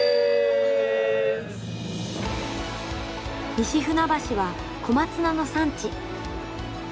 西船橋は小松菜の産地。